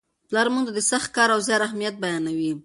پلار موږ ته د سخت کار او زیار اهمیت بیانوي.